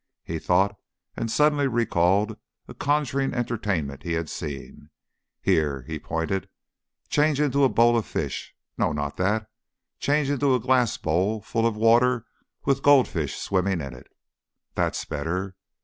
He thought, and suddenly recalled a conjuring entertainment he had seen. "Here!" He pointed. "Change into a bowl of fish no, not that change into a glass bowl full of water with goldfish swimming in it. That's better!